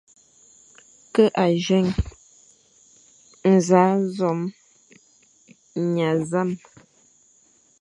Ke azôe, nẑa zôme, nya zame,